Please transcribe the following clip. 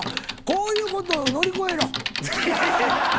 こういうことを乗り越えろ。